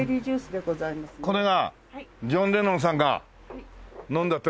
これがジョン・レノンさんが飲んだという。